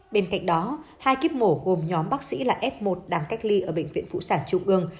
bên cạnh đó hai kiếp mổ gồm nhóm bác sĩ là f một đang cách ly ở bệnh viện phụ sản trung ương